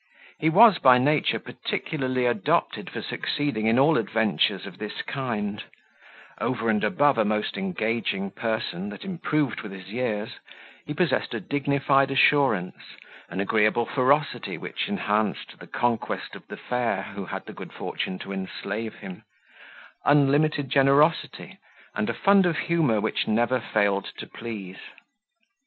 He was by nature particularly adopted for succeeding in all adventures of this kind: over and above a most engaging person that improved with his years, he possessed a dignified assurance, an agreeable ferocity which enhanced the conquest of the fair who had the good fortune to enslave him, unlimited generosity, and a fund of humour which never failed to please.